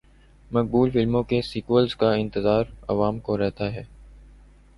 مقبول فلموں کے سیکوئلز کا انتظار عوام کو رہتا ہے۔